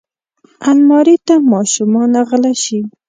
الماري ته ماشومان غله شي